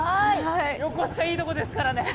横須賀、いい所ですからね。